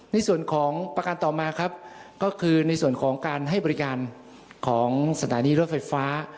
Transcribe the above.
ในส่วนของประการต่อมาครับก็คือในส่วนของการให้บริการของสถานีรถไฟฟ้า